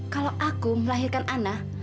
kalau aku melahirkan ana